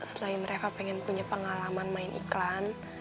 selain mereka pengen punya pengalaman main iklan